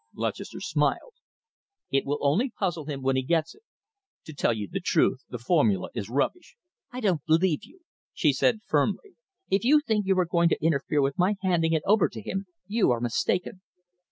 Lutchester smiled. "It will only puzzle him when he gets it! To tell you the truth, the formula is rubbish." "I don't believe you," she said firmly. "If you think you are going to interfere with my handing it over to him, you are mistaken."